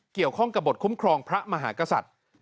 เกี่ยวข้องกับบทคุ้มครองพระมหากษัตริย์